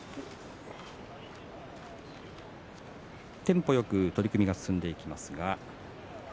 テンポよく取組が進んでいきます。